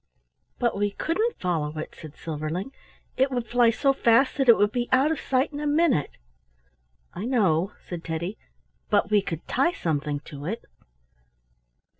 "But we couldn't follow it," said Silverling. "It would fly so fast that it would be out of sight in a minute." "I know," said Teddy, "but we could tie something to it."